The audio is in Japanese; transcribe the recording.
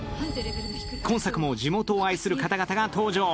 今作も地元を愛する方々が登場。